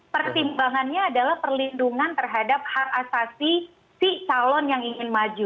pertimbangannya adalah perlindungan terhadap hak asasi si calon yang ingin maju